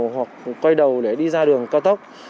hoặc quay đầu để đi ra đường cao tốc